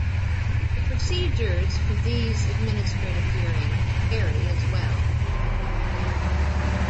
The procedures for these administrative hearings vary as well.